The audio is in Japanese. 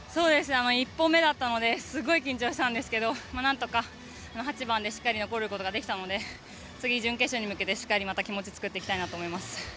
１本目だったのですごく緊張したんですけど何とか８番でしっかり残ることができたので次、準決勝に向けてしっかり気持ちを作っていきたいと思います。